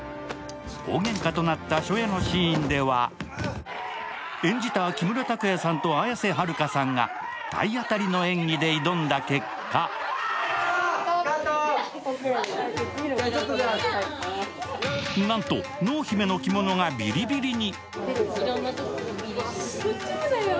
大げんかとなった初夜のシーンでは演じた木村拓哉さんと綾瀬はるかさんが体当たりの演技で挑んだ結果なんと濃姫の着物がビリビリに。